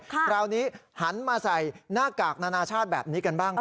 คราวนี้หันมาใส่หน้ากากนานาชาติแบบนี้กันบ้าง